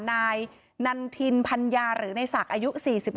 นายนันทินพัญญาหรือในศักดิ์อายุ๔๒